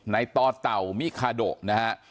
ในต่อเต่ามิคาโดนะฮะ